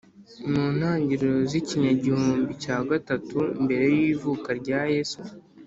mu ntangiriro z ikinyagihumbi cya gatatu mbere y ivuka rya Yezu